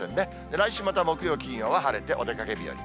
来週また木曜、金曜は晴れてお出かけ日和。